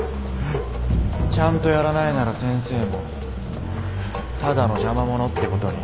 ちゃんとやらないなら先生もただの「邪魔者」ってことに。